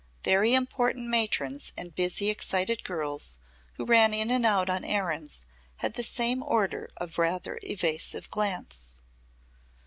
Very important matrons and busy excited girls who ran in and out on errands had the same order of rather evasive glance.